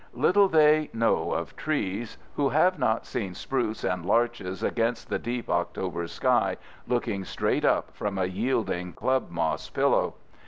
Little they know of trees who have not seen spruce and larches against the deep October sky, looking straight up from a yielding club moss pillow.